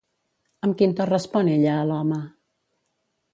Amb quin to respon ella a l'home?